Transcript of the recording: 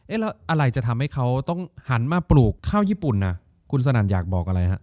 แล้วอะไรจะทำให้เขาต้องหันมาปลูกข้าวญี่ปุ่นคุณสนั่นอยากบอกอะไรฮะ